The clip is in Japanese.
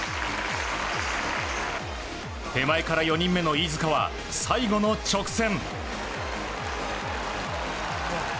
手前から４人目の飯塚は最後の直線。